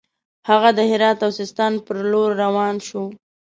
هغه د هرات او سیستان پر لور روان شو.